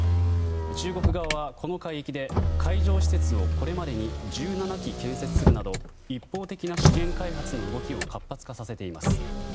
中国側は、この海域で海上施設をこれまでに１７基建設するなど一方的な資源開発の動きを活発化させています。